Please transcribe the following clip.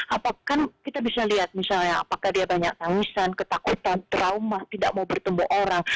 apakah kita bisa lihat misalnya apakah dia banyak tangisan ketakutan trauma tidak mau bertumbuh orang